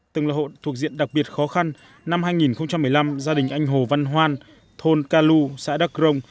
từng là hộ thuộc diện đặc biệt khó khăn năm hai nghìn một mươi năm gia đình anh hồ văn hoan thôn ca lu xã đắk rông